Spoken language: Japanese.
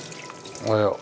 おはよう。